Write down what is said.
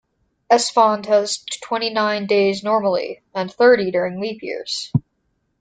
Esfand has twenty-nine days normally, and thirty during leap years.